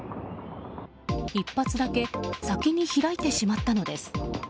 １発だけ先に開いてしまったのです。